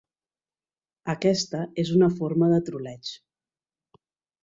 Aquesta és una forma de troleig.